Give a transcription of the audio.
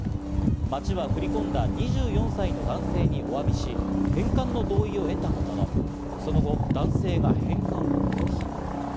町は振り込んだ２４歳の男性にお詫びし、返還の同意を得たものの、その後男性が返還を拒否。